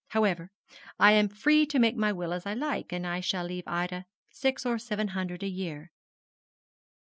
However, I am free to make my will as I like, and I shall leave Ida six or seven hundred a year.